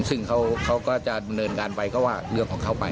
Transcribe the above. ซึ่งเขาก็จะดำเนินการไปก็ว่าเรื่องของเขาไป